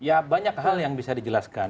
ya banyak hal yang bisa dijelaskan